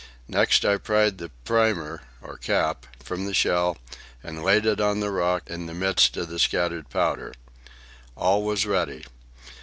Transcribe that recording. Next I pried the primer, or cap, from the shell, and laid it on the rock, in the midst of the scattered powder. All was ready.